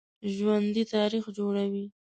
ژوندي تاریخ جوړوي